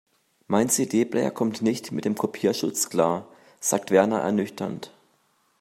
Mein CD-Player kommt nicht mit dem Kopierschutz klar, sagt Werner ernüchtert.